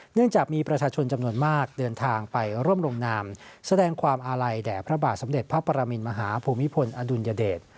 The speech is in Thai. เนื่องจากมีประชาชนจำนวนมากเดินทางไปร่วมลงนามแสดงความอาลัยแด่พระบาทสมเด็จพระปรมินมหาภูมิพลอดุลยเดช